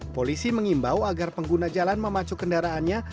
polisi mengimbau agar pengguna jalan memacu kendaraannya